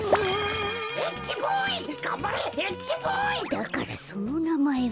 だからそのなまえは。